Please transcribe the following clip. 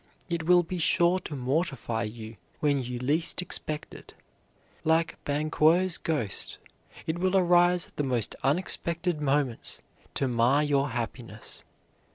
It will be sure to mortify you when you least expect it. Like Banquo's ghost, it will arise at the most unexpected moments to mar your happiness.